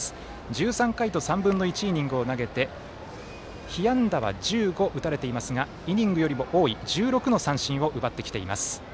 １３回と３分の１イニングを投げて被安打は１５打たれていますがイニングよりも多い１６の三振を奪ってきています。